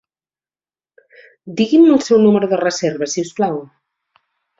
Digui'm el seu número de reserva, si us plau.